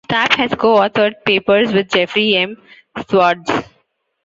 Stapp has co-authored papers with Jeffrey M. Schwartz.